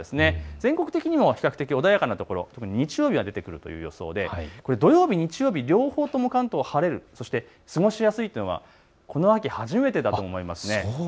全国的にも比較的穏やかな所、日曜日は出てくるという予想で土曜日、日曜日両方とも関東晴れる、そして過ごしやすいというのはこの秋初めてだと思います。